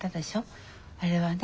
あれはね